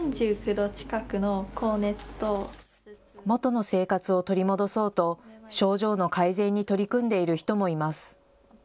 元の生活を取り戻そうと症状の改善に取り組んでいる人もいます。